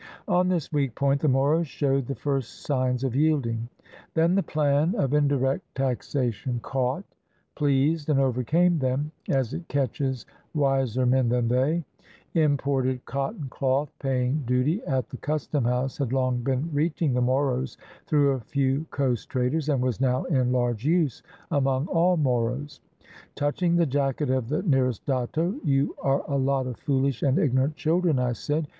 On this weak point the Moros showed the first signs of yielding. Then the plan of indirect taxation caught, pleased, and overcame them, as it catches wiser men than they. Imported cotton cloth 561 ISLANDS OF THE PACIFIC paying duty at the custom house had long been reachmg the Moros through a few coast traders, and was now in large use among all Moros, Touching the jacket of the nearest datto, "You are a lot of foolish and ignorant children," I said.